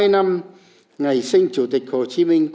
một trăm ba mươi năm ngày sinh chủ tịch hồ chí minh